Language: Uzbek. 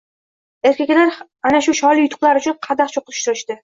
Erkaklar ana shu shonli yutuqlar uchun qadah cho‘qishtirdi.